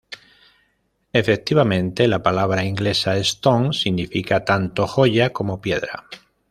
Efectivamente, la palabra inglesa "stone" significa tanto 'joya' como 'piedra'.